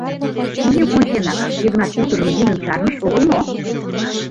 Пийым онченак, Йыгнат утыжым йӱмым чарныш огыл мо?